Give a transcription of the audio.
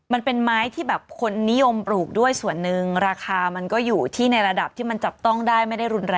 มันเป็นไม้ที่แบบคนนิยมปลูกด้วยส่วนหนึ่งราคามันก็อยู่ที่ในระดับที่มันจับต้องได้ไม่ได้รุนแรง